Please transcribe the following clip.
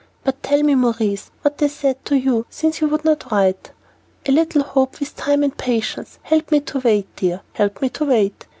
But tell me, Maurice, what they said to you, since you would not write." "A little hope, with time and patience. Help me to wait, dear, help me to wait."